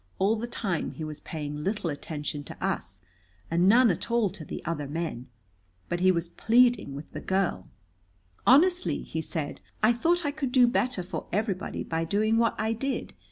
All the time he was paying little attention to us and none at all to the other men. But he was pleading with the girl. "Honestly," he said, "I thought I could do better for everybody by doing what I did.